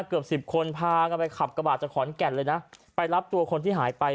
เกือบสิบคนพากันไปขับกระบาดจากขอนแก่นเลยนะไปรับตัวคนที่หายไป